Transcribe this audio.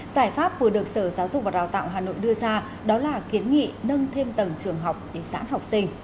giải pháp vừa được sở giáo dục và đào tạo hà nội đưa ra đó là kiến nghị nâng thêm tầng trường học để giãn học sinh